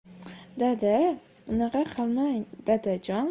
Dada, unaqa qilmang, dadajon.